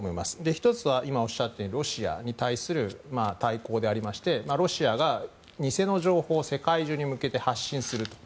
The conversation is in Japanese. １つは今おっしゃったようにロシアに対する対抗でありましてロシアが偽の情報を世界中に向けて発信すると。